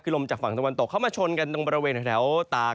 คือลมจากฝั่งตะวันตกเข้ามาชนกันตรงบริเวณแถวตาก